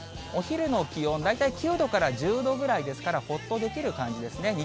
お昼の気温、大体９度から１０度くらいですから、ほっとできる感じですね。